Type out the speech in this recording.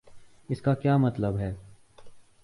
اس کا کیا مطلب ہے؟